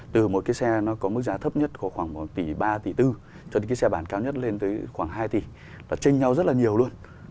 từ một cái xe nó có mức giá thấp nhất khoảng một tỷ ba tỷ bốn cho đến cái xe bán cao nhất lên tới khoảng hai tỷ là chênh nhau rất là nhiều luôn